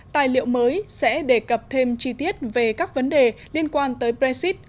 tài liệu mới sẽ đề cập thêm chi tiết về các vấn đề liên quan tới brexit